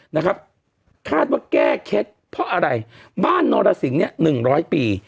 นะครับคาดว่าแก้เคล็ดเพราะอะไรบ้านนรสิงห์เนี่ยหนึ่งร้อยปี